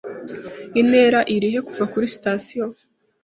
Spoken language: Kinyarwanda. Intera irihe kuva kuri sitasiyo?